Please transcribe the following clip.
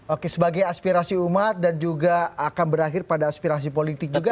oke sebagai aspirasi umat dan juga akan berakhir pada aspirasi politik juga